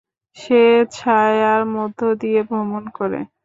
সে ছায়ার মধ্য দিয়ে ভ্রমণ করে।